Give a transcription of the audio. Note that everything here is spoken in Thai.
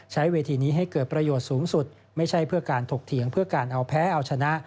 ใช้เวทีนี้ให้เกิดประโยชน์สูงสุดไม่ใช่เพื่อการถกเถียงเพื่อการเอาแพ้เอาชนะ